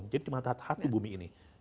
jadi cuma ada satu bumi ini